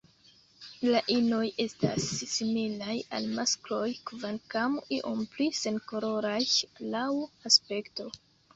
La inoj estas similaj al maskloj kvankam iom pli senkoloraj laŭ aspekto.